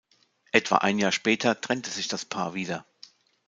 Etwa ein Jahr später trennte sich das Paar wieder.